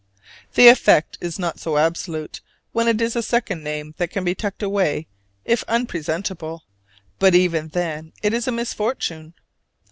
The effect is not so absolute when it is a second name that can be tucked away if unpresentable, but even then it is a misfortune.